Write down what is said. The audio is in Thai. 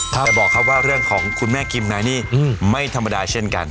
แต่บอกครับว่าเรื่องของคุณแม่กิมนายนี่ไม่ธรรมดาเช่นกัน